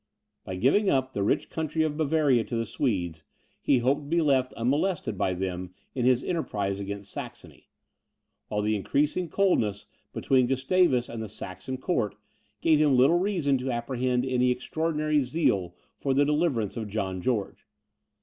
By giving up the rich country of Bavaria to the Swedes, he hoped to be left unmolested by them in his enterprise against Saxony, while the increasing coldness between Gustavus and the Saxon Court, gave him little reason to apprehend any extraordinary zeal for the deliverance of John George.